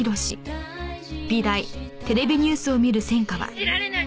「信じられない！